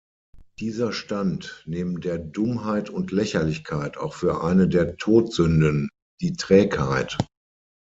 Dieser stand neben der Dummheit und Lächerlichkeit auch für eine der Todsünden, die Trägheit.